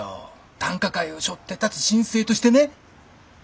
短歌界をしょって立つ新星としてね。